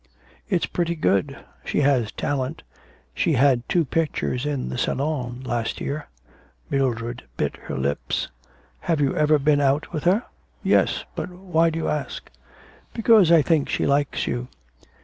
'It's pretty good. She has talent. She had two pictures in the Salon last year.' Mildred bit her lips. 'Have you ever been out with her?' 'Yes, but why do you ask?' 'Because I think she likes you.